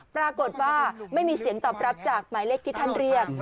ปรากฏว่าไม่มีเสียงตอบรับจากหมายเลขที่ท่านเรียก